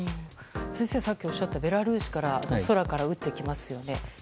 先生はさっきおっしゃったベラルーシの空から撃ってきますよね。